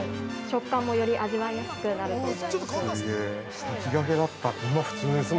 ◆食感もより味わいやすくなると思います。